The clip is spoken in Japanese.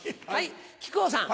木久扇さん。